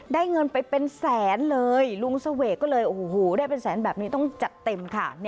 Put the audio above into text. เงินไปเป็นแสนเลยลุงเสวกก็เลยโอ้โหได้เป็นแสนแบบนี้ต้องจัดเต็มค่ะ